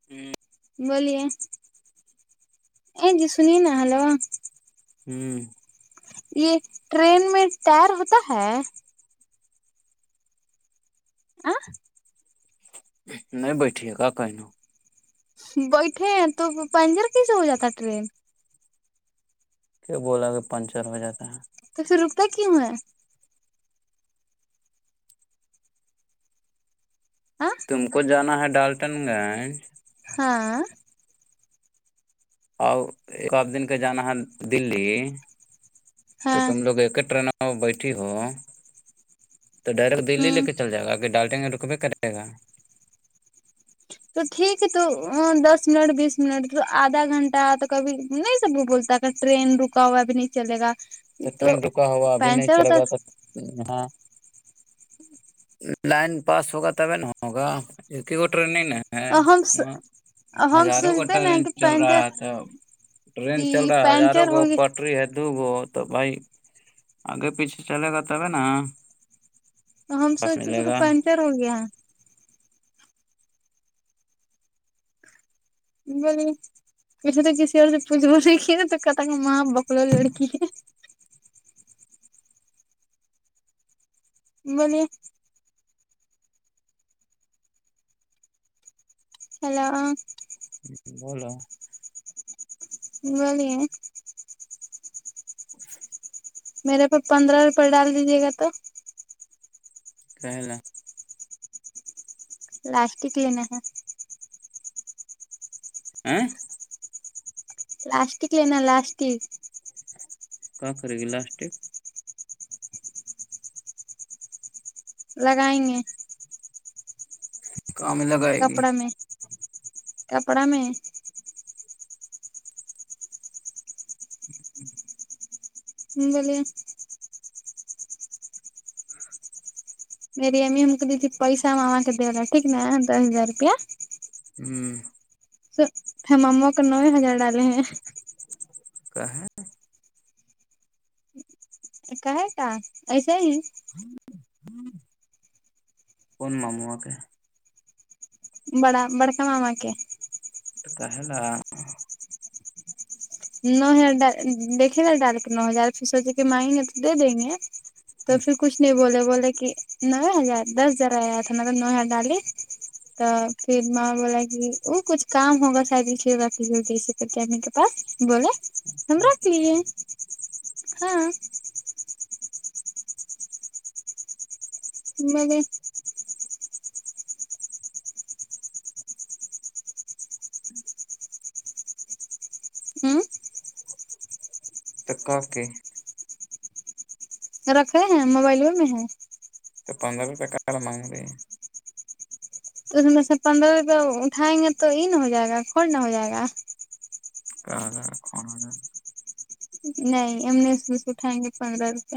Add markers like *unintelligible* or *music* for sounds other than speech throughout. *inaudible* بولیے جی سنیے نا ہیلو ہوں یہ ٹرین میں ٹائر ہوتا ہے *inaudible* نہیں بیٹھیے گا کہیں بیٹھے ہیں تو پینجر کیسے ہو جاتا ٹرین کیا بولا کہ پنچر ہو جاتا ہے تو پھر رکتا کیوں ہے ہ تم کو جانا ہے ڈالٹن گنج ہاں اور ایک آپ دن کا جانا ہے دلی تو ہاں تم لوگ ایک ہی ٹرینوں بیٹھی ہو تو ڈائریکٹ دلی لے ہ کے چل جائے گا کہ ڈالٹیں رکے کریں گا تو ٹھیک ہے تو دس منٹ بیس منٹ آدھا گھنٹہ تو کبھی نہیں سب وہ بولتا ٹرین رکا ہوا ابھی نہیں چلے گا تو ٹرین رکا ہوا ابھی نہیں پینچر چلا ہوتا گا تھا ہاں لائن پاس ہوگا تب ہوگا کیونکہ وہ ٹرینگ ہم ہم ہزاروں کو سوچتے نا ٹرین کہ چل رہا پینچر ہے تو ٹرین کہ چل رہا ہے ہزاروں پینچر کو ہوگی اوپر پٹری ہے تو وہ تو بھائی آگے پیچھے چلے گا تب نا تو ہم بس سوچے ملے تھا گا پانچر ہو گیا *inaudible* پھے تو کسی و سے پوچھ ب نہیں کی نا تو کتا کا م بکلا لڑکی تھ بولیے ہیلو بولو بولیے میرے کو پندرہ روپئے ڈال دیجیے گا تو *inaudible* للاسٹک لینا ہے *inaudible* لاسٹک لینا لاسٹ ہی کیا کرے گی لسٹک لگائیں گے کام میں لگائے گی کپڑا میں کپڑا میں *inaudible* بولیے میری امی ہم کو دی تھی پیسا ہم وہاں کے دے رہا ٹیک نا دس ہزار روپیہ ہوں س ہم ان کو نوے ہزار ڈالے ہیں کا ہے کا ہےتا ایسا ہی کون ماموا کے بڑا بڑکا ماما کے اتا ہےا نو ہزار ڈ دیکھے گا ڈالک نو ہزار پھر سوچے کے مانگیں گے تو دے دیں گے تو پھر کچھ نہیں بولے بولے کہ نو ہزار دس ہزار آیا تھا نلب نو ہزار ڈالی تو پھر ماں بولا کہ وہ کچھ کام ہوگا شایدمی کے پاس بولے ہم رکھ لیے ہاں م نے ت کاا کے *unintelligible* *inaudible* رکھے ہیں موبائلوں میں ہے تو پندرہ روپے کا مانگ رہے ہیں تو اس میں سے پندرہ روپئے اٹھائیں گے تو ای نہ ہو جائے گا کھولنا ہو جائے گا ک کھان نہیں ام نےس اٹائیں گے پندرہ روپے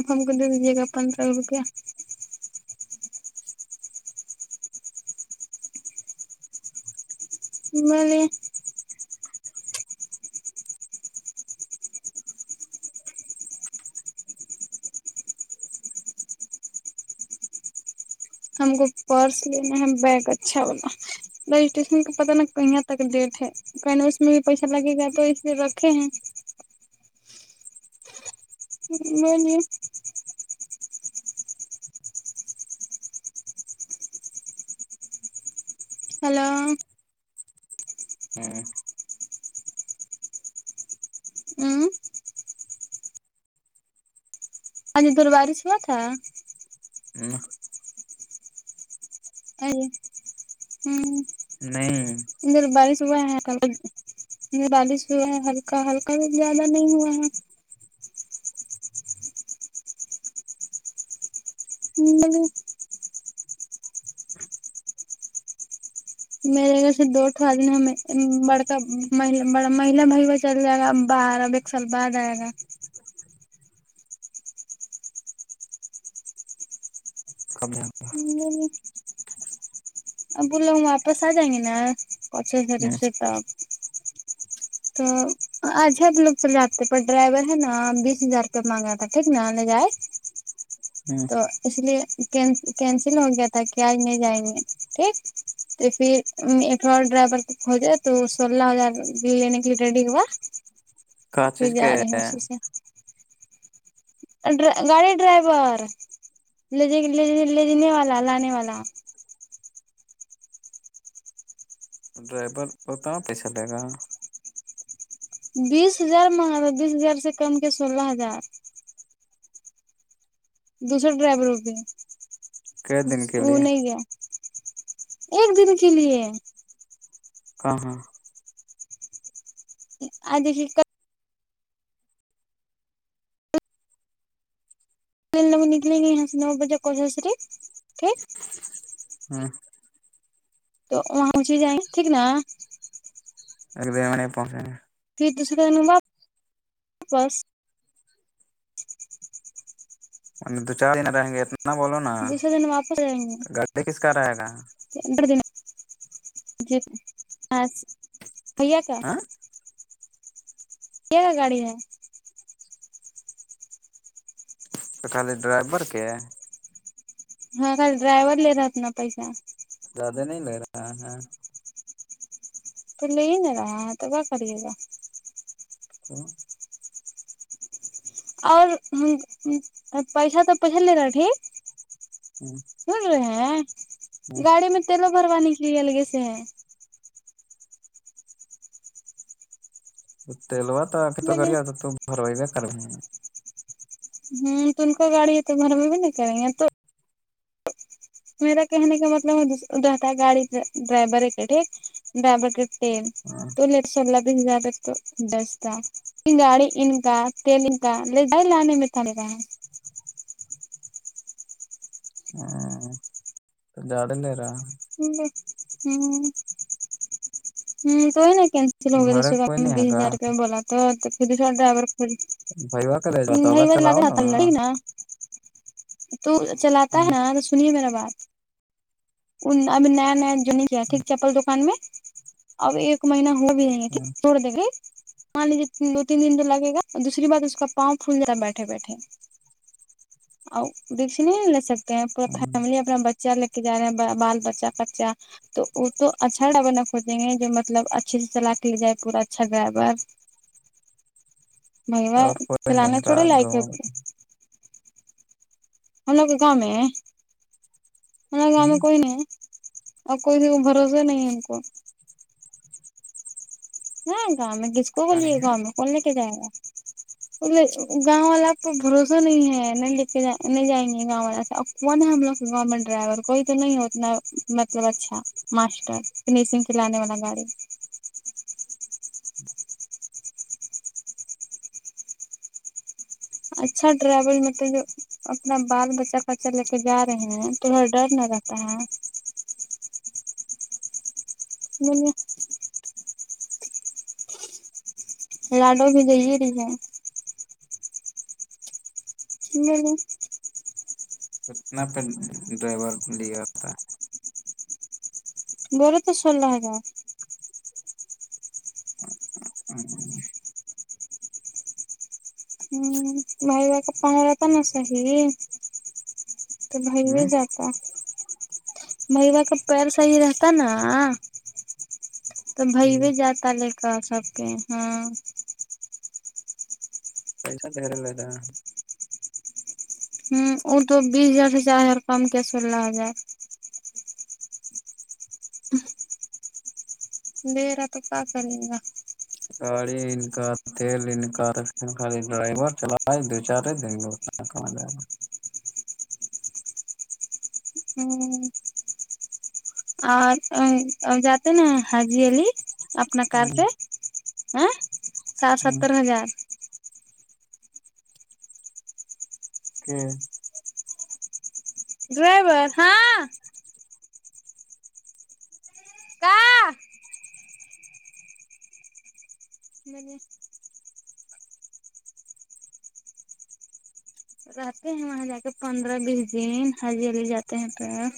آپ ہم کو دے دیجیے گا پندرہ روپیہ ہم میں نے ہم کو پرس لینا ہے بیگ اچھا والا رج اسٹیشن کا پتہ ن کہاں تک ڈٹ ہے پنے اس میں بھی پیسہ لگے گا تو اس لیے رکھے ہیں نہیںونی ہلو ہ آ در باری شو تھا نہ *unintelligible* *inaudible* ا ہوں نہیں انر باری صب بارش ہوا ہے ہلکا ہلکا بھی زیادہ نہیں ہوا ہے ہے میرے گھر سے دوٹو آدمی ہمیں بڑکا مہلا بھائی وہ چل جائے گا بارہ سلپ بادائےگا کب جائیں اب بول لو ہم واپس آ جائیں گے نا کچےری گے سے ت تو اجھا تو لوگ چل جاتے پر ڈرائیور ہے نا بیس ہزار روپئے مانگا تھا ٹھیک نا لے جائے تو اس لیے کینسل ہو گیا تھا کہ آج نہیں جائیں گے ٹھیک تو پھر اٹ ڈرائیور کو کھجے تو سولہ ہزار لینے کے لیے ریڈی ہوا کا تو پھر چیز جا کے رہے ہیں اسی سے گاڑی ڈرائیور لےے لے دینے والا لانے والا ڈرائیور بت پیسہ لے گا بیس ہزار مہنگا بیس ہزار سے کم کے سولہ ہزار دوسرا ڈرائیور ہو بھی کئے دن کے وہ لیے نہیں گیا ایک دن کے لیے کہاں اھی ک لگ نکلیں گے یہاں سے نو بجے کوج سےری ٹھیک ہاں تو وہاںچ ہی جائیں ٹھیک نا پنچ گ ہیں پھر ت تا بس ا *unintelligible* *inaudible* دو چار دن رہیں گے اتنا بولو نا دوسرے دن گای کس کا رہے گا بڑ دن جی ہو کیا ہ کیا گاڑی ہے تو خالی ڈرائیبر کے ہاں کل ڈرائیور لے رہات ن پیس زیادہ نہیں لگ رہا ہاں ہاں تو لے ہی نہیں رہا ہے تو کیا کریے گا ہ اور پیسہ تو پچل ل رہ ٹھیک ہوں سن رہے ہیں گاڑی میں تیلوں بھروانے کے لیے الگے سے ہے تلوا توب تو کر بولے تو بروئی کار ہ ہوں تو ان کو گاڑی تو گھر میں بھی نہیں کریں گے تو میرا کہنے کا مطلب رہتا ہے گاڑی ڈرائیور کا ٹھیک برابر کرتے تو لٹ سبلہ بھی جااک تو دستا سنگاڑی ان کا تیل کا ل لانے میں تھا ل رہا ہے ہاں جاڑ نہیںیرا ہ ہ توئی نہیں کیسل ہوگے تو گھر کوئی سم نہیں ہے بیس گا ہزار روپ بلا توھر سا ڈرائیور خ ہ بھائیوا کا لے جاتا ا اولا م لگ چلاؤ نا ہات نا ال ا ن تو چلاتا ہے ہ ناں تو سنیے میرا بات ان ابھی نیا نیا جنی کیا ٹھیک چپل دکان میں اب ایک مہینہ ہو تھڑ دے مان لیجیے دو تین دن تو لگے گا اور دوسری بات اس کا پاؤں پھولنےتا بیٹھے بیٹھے آؤ دیکسی نہیں س پورا ہ فیملی اپنا بچہ لے کے جا رہے ہیں بال بچہ بچہ تو وہ تو اچھا ڈرائیور ن کوجیں گے جو مطلب اچھے سے چلا کے لے جائے پورا اچھا ڈرائیور بھ وہ اور چ کوئی لان نہیں ہے کا تھوڑے لائق گاؤں ہوتے ہم لوگ گاؤں میں ہمار گاؤں میں کوئی نہیں ہے اور کوئی بھروسہ نہیں ہے ان کو ہاں گاؤں میں کس کو بلیے نہیں ہے گاؤں میں کون لے کے جائے گا گاؤں والا کو بھروسہ نہیں ہے نہیں لے کے نہیں جائیں گے گاؤں والا سے ا فن ہم لوگ ڈرائیور کوئی تو نہیں اتنا مطلب اچھا ماسٹر فنیشنگ کی لانے والا گاڑی اچھا ٹریول مطلب جو اپنا بال بچہ خرچہ لے کے جا رہے ہیں توڑا ڈر نہ رہتا ہے نہیں لاڈو بھی دی رہی ہے نہیں کتنا پ ڈرائیور لیا تھا گور تو سولہ ہزار بائی گ کا پنرا پنا ہی تو بھائی نہیں جاتا میلاا کا پیر صحیح رہتا نا تو بھائی بھی جاتا لے کر سب کے ہاں پیسہ دیرا ل رہا ہوں ا تو بیس ہزار سے چار کم کیسولہ ہو جائے بیرا پ کا آ کر گ گاڑی ان کا تیل ان کا خالی ڈرائیور چل دو چار دن آکھ م جائے گا ہوں اور جاتے نا ہجی علی اپنا ک سے سٹ ہ ستتر ہزار کہ ڈرائیبر ہاں کہ نے رہتے ہیں وہاں جا کے پندرہ بیس دن ہجلی جاتے ہیں پھر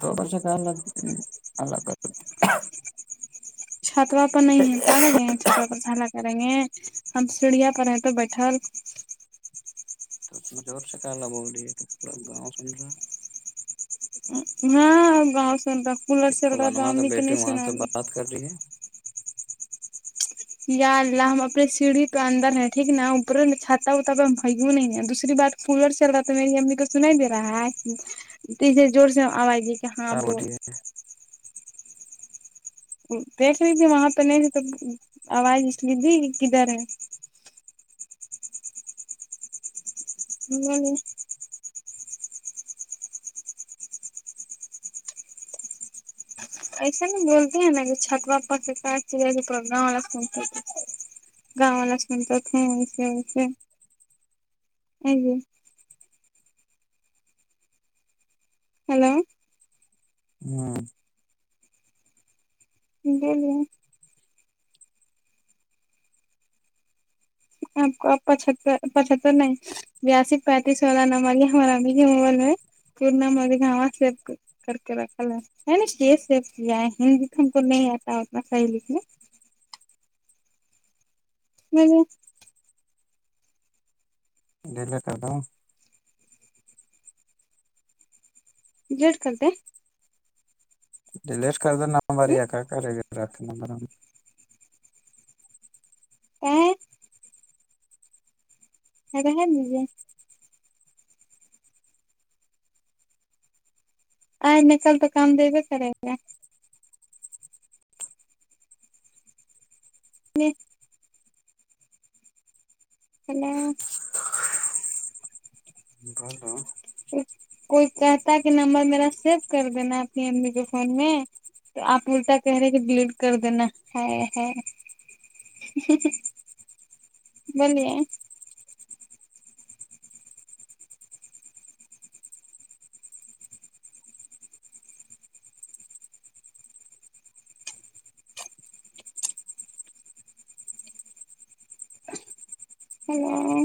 تو برش کا الگ الگ کر چھتوا پر نہیں ہے پاگل ہے چھتوا پر سلا کریں گے ہم سڑیا پر ہیں تو بیٹھل مھےور ش کاالا بولیے تھڑا گاؤ سمن رہا ہاں گاؤں سن رہا کولر کہ چل رہا تھا فلانما کا امی کے بیٹے نہیں وہاں سے سناال بات کر رہی ہے یا اللہ ہم اپنی سیڑھی پہ اندر ہیں ٹھیک نا اوپروں چھاتا وھا پہ بھوں نہیں ہے دوسری بات فولور شروا تو میری امی کو سنا ہی دے رہا ہے تے زور سے آواز جہاں کیا بو بول رہی دیکھ لی تھی وہاں تو نہیں تھی تو آواز اس لی تھی کدھر ہے ہ ایسا نہیں بولتے ہیں نا کہ چھٹ پاپا سے کا چ گاؤں والا سن گاؤال سنتا ہیں وسے وسے ہیلو ہاں جول آپ کو پچہتر پچتر نہیں بیاسی پینتیس سولہ نمبر ہے ہمارا ن مغل میں پورنا مر گاں سب کر کے رکھا ل کیس س کیا ہے ہندی تو ہم کو نہیں آتا اتنا صحیح لکھنے نہیں ڈیل کر دو جیٹ کرنتے ڈیلیٹ کر ن باری آ کرا کر رکھنا ا اگرا ہے نہیں جے آئ ن کل تو کام دبے کریں گا ج ہیلو گلو کوئی کہتا کہ نمبر میرا سیو کر دینا اپنی امی کے فون میں تو آپ الٹا کہہ رہے کہ ڈلیٹ کر دینا ہے ہے بلیے ہیلو